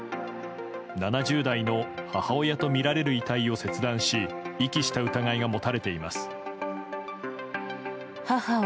７０代の母親とみられる遺体を切断し遺棄した疑いが持たれています。